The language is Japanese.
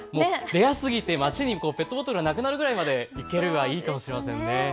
レアすぎて街にペットボトルがなくなるくらいまでいければいいかもしれませんね。